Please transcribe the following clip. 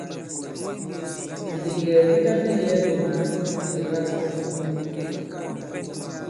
Bìdìŋgɛ̀ bi taŋgē yɛ̄ɛ nu mǎn ilɛ̀gâ à fom i myɔ̂k.